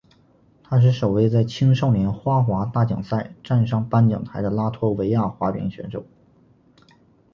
他是首位在青少年花滑大奖赛站上颁奖台的拉脱维亚滑冰选手。